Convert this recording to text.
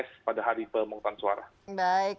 jadi perasaan dengan pemerhatian ada happening